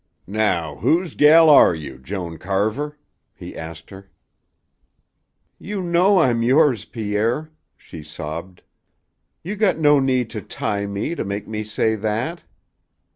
"Now whose gel are you, Joan Carver?" he asked her. "You know I'm yours, Pierre," she sobbed. "You got no need to tie me to make me say that."